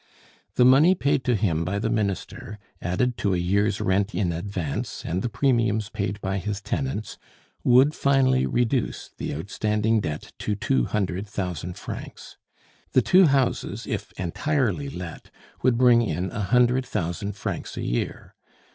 The money paid to him by the Minister, added to a year's rent in advance and the premiums paid by his tenants, would finally reduce the outstanding debt to two hundred thousand francs. The two houses, if entirely let, would bring in a hundred thousand francs a year.